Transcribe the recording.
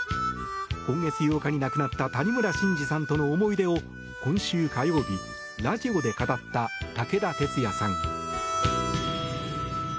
今月８日に亡くなった谷村新司さんとの思い出を今週火曜日、ラジオで語った武田鉄矢さん。